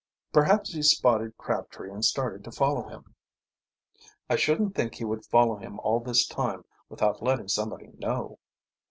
"Perhaps he spotted Crabtree and started to follow him." "I shouldn't think he would follow him all this time without letting somebody know."